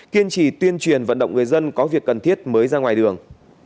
kiên trì tuyên truyền vận động người dân có việc cần thiết mới ra ngoài đường